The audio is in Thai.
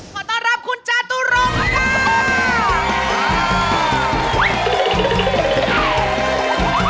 สวัสดีค่ะคุณจตุรงก่อนค่ะ